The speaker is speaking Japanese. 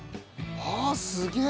わあすげえ！